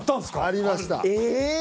ありましたえ？